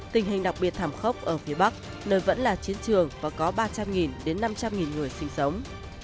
tình hình đặc biệt thảm khốc ở phía bắc nơi vẫn là chiến trường và có ba trăm linh đến năm trăm linh người sinh sống